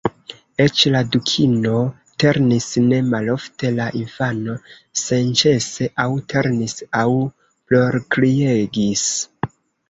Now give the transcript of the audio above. Eĉ la Dukino ternis ne malofte; la infano senĉese aŭ ternis aŭ plorkriegis.